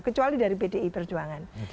kecuali dari pdi perjuangan